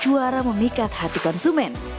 dan juga juara memikat hati konsumen